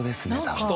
人？